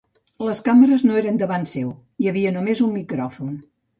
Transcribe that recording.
Les càmeres no eren davant seu, hi havia només un micròfon.